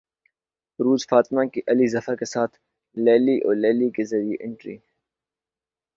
عروج فاطمہ کی علی ظفر کے ساتھ لیلی او لیلی کے ذریعے انٹری